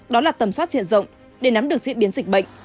đó là tầm soát diện rộng để nắm được diễn biến dịch bệnh